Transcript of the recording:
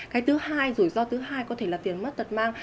cái thứ hai rủi ro thứ hai có thể là tiền mất tật mang